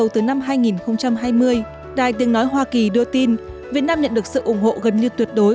từ năm hai nghìn hai mươi đài tiếng nói hoa kỳ đưa tin việt nam nhận được sự ủng hộ gần như tuyệt đối